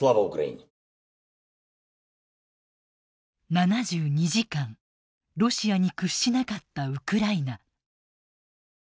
７２時間ロシアに屈しなかったウクライナ。